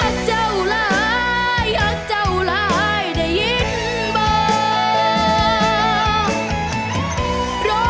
เจ้าหลายหักเจ้าหลายได้ยินบอก